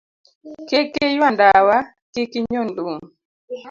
Kik Iyua Ndawa, Kik Inyon Lum